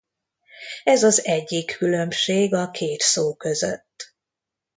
Ez az egyik különbség a két szó között.